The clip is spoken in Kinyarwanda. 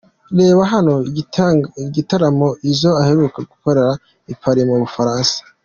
Reba hano igitaramo Izzo aheruka gukorera i Pari mu Bufaransa .